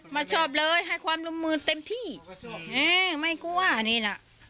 มาชอบเลยให้ความลมมืนเต็มที่ไม่กลัวนี่น่ะ